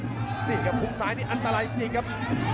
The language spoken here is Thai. นี่ครับหุ้งซ้ายนี่อันตรายจริงครับ